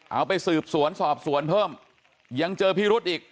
เอาไปสืบสวนสอบสวนเพิ่มยังเจอพิรุธอีก